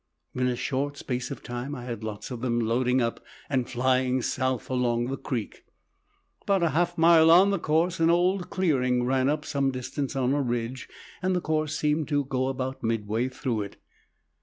In a short space of time I had lots of them loading up and flying south along the creek. About a half mile on the course an old clearing ran up some distance on a ridge, and the course seemed to go about midway through it.